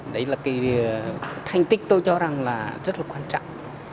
đấy là cái thành tích tôi cho rằng là rất là quan trọng